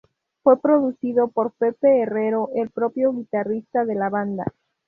Fue producido por Pepe Herrero, el propio guitarrista de la banda.